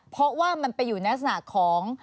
เพราะว่ามันไปอยู่ในลักษณะของ